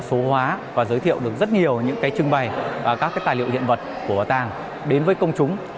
số hóa và giới thiệu được rất nhiều những trưng bày các tài liệu hiện vật của bảo tàng đến với công chúng